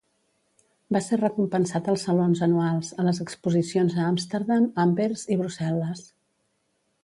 Va ser recompensat als salons anuals, a les exposicions a Amsterdam, Anvers i Brussel·les.